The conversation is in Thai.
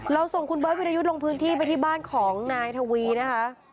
ส่งคุณเบิร์ตวิรยุทธ์ลงพื้นที่ไปที่บ้านของนายทวีนะคะ